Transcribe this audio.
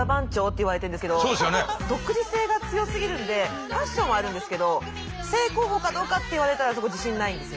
独自性が強すぎるんでパッションはあるんですけど正攻法かどうかって言われたらそこ自信ないんですよね。